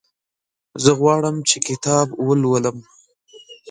زه غواړم چې کتاب ولولم.